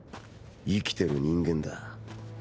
生きてる人間だ